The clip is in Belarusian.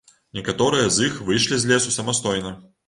Некаторыя з іх выйшлі з лесу самастойна.